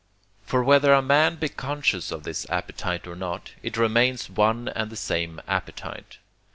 For whether a man be conscious of his appetite or not, it remains one and the same appetite.